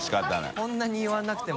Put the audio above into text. こんなに言わなくても。